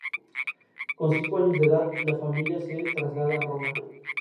Con cinco años de edad, la familia se traslada a Roma.